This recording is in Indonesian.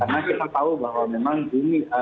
karena kita tahu bahwa memang ini